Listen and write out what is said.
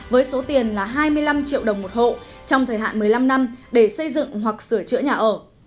với số tiền là hai mươi năm triệu đồng một hộ trong thời hạn một mươi năm năm để xây dựng hoặc sửa chữa nhà ở